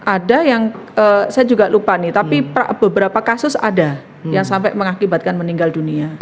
ada yang saya juga lupa nih tapi beberapa kasus ada yang sampai mengakibatkan meninggal dunia